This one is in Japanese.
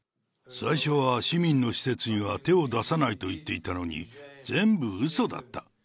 最初は市民の施設には手を出さないと言っていたのに、全部うそだった。